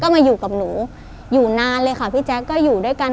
มาอยู่กับหนูอยู่นานเลยค่ะพี่แจ๊คก็อยู่ด้วยกัน